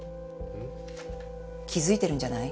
気づいてるんじゃない？